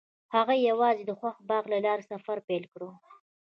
هغوی یوځای د خوښ باغ له لارې سفر پیل کړ.